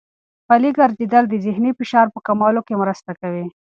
پلي ګرځېدل د ذهني فشار په کمولو کې مرسته کوي.